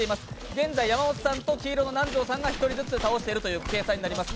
現在、山本さんと黄色の南條さんが１人ずつ倒している計算になります